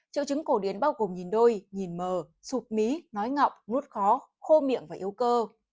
triệu chứng cổ điến bao gồm nhìn đôi nhìn mờ sụp mi nói ngọc nuốt khó khô miệng và yếu cơ